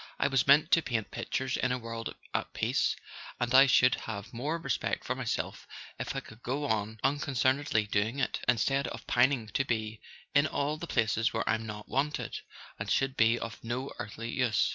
I was meant to paint pictures in a world at peace, and I should have more respect for myself if I could go on unconcernedly doing it, instead of pining to be in all the places where I'm not wanted, and should be of no earthly use.